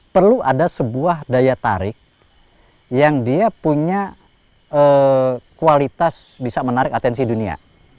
perlu ada sebuah daya tarik yang dia punya kualitas bisa menarik atensi dunia